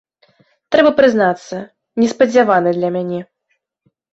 Трэба прызнацца, неспадзяваны для мяне.